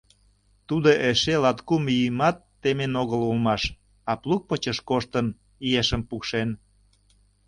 — Тудо эше латкум ийымат темен огыл улмаш, а плуг почеш коштын, ешым пукшен.